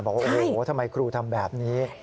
บอกว่าโอ้โหทำไมครูทำแบบนี้